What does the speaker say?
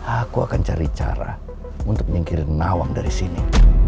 aku akan cari cara untuk menyingkirin nawang dari sini